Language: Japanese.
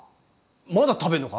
まだ食べるのか？